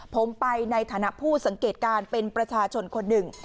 ผมไปในฐานะผู้สังเกตการณ์เป็นประชาชนคนหนึ่ง